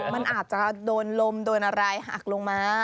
มันอาจจะโดนลมโดนอะไรหักลงมา